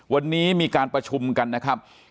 วันนี้มีการประชุมกันนะครับ